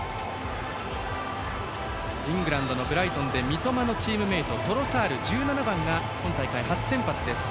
イングランドのブライトンで三笘のチームメートトロサールが今大会初出場です。